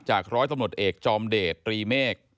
ร้อยตำรวจเอกจอมเดชตรีเมฆ